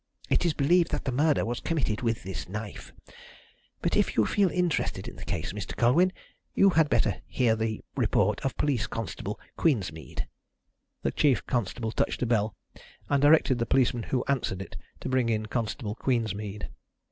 It is believed that the murder was committed with this knife. But if you feel interested in the case, Mr. Colwyn, you had better hear the report of Police Constable Queensmead." The chief constable touched a bell, and directed the policeman who answered it to bring in Constable Queensmead.